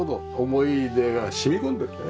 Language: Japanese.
思い出が染み込んでるね。